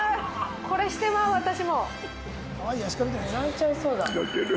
これしてまう、私も。